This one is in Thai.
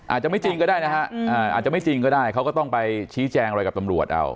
อาจจะไม่จริงก็ได้นะฮะอาจจะไม่จริงก็ได้เขาก็ต้องไปชี้แจงอะไรกับตำรวจเอา